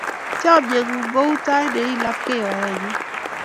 Chomye ng'ung' kou tait ne i lapkei orennyu.